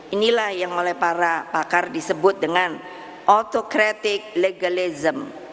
inilah yang oleh para pakar disebut dengan autocratic legalism